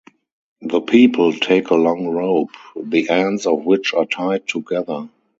The people take a long rope, the ends of which are tied together.